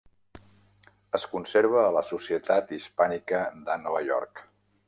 Es conserva a la Societat Hispànica de Nova York.